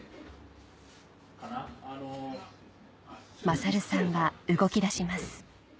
勝さんが動き出します